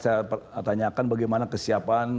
saya tanyakan bagaimana kesiapan